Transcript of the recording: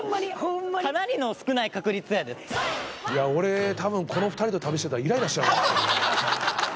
俺たぶんこの２人と旅してたらイライラしちゃうな。